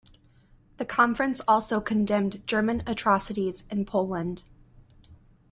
The conference also condemned German atrocities in Poland.